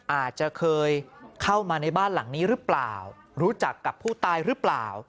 อาจจะเคยเข้ามาในบ้านหลังนี้หรือเปล่ารู้จักกับผู้ตายหรือเปล่า